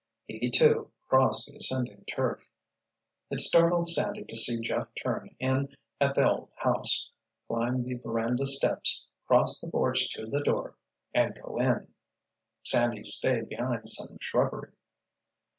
He, too, crossed the ascending turf. It startled Sandy to see Jeff turn in at the old house, climb the veranda steps, cross the porch to the door—and go in. Sandy stayed behind some shrubbery.